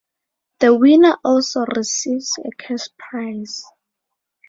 The winner also receives a cash prize.